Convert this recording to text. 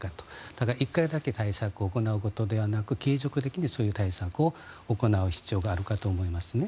だから、１回だけ対策を行うことではなくて継続的にそういう対策を行う必要があるかと思いますね。